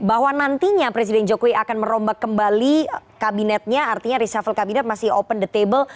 bahwa nantinya presiden jokowi akan merombak kembali kabinetnya artinya reshuffle kabinet masih open the table